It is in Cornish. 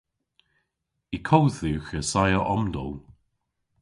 Y kodh dhywgh assaya omdowl!